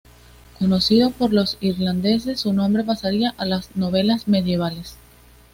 Conocido por los irlandeses, su nombre pasaría a las novelas medievales.